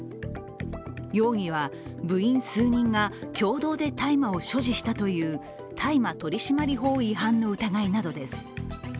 容疑は、部員数人が共同で大麻を所持したという大麻取締法違反の疑いなどです。